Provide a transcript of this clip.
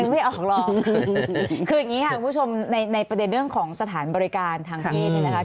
ไม่ออกหรอกคืออย่างนี้ค่ะคุณผู้ชมในประเด็นเรื่องของสถานบริการทางเพศเนี่ยนะคะ